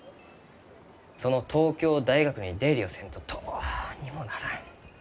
その東京大学に出入りをせんとどうにもならん。